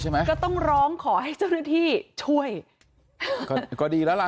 ก็ต้องร้องขอให้เจ้าหน้าที่ช่วยก็ก็ดีแล้วล่ะ